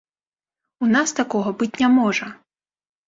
У нас такога быць не можа!